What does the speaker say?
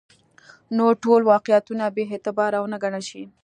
نور ټول واقعیتونه بې اعتباره ونه ګڼل شي.